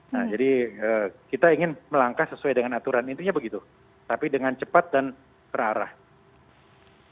nah jadi kita ingin melangkah sesuai dengan aturan intinya begitu tapi dengan cepat dan terarah